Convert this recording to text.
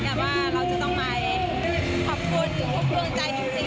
ก็ขอบคุณนะพี่ป่อด้วย